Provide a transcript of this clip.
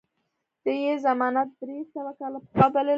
ده یې زمانه درې سوه کاله پخوا بللې وه.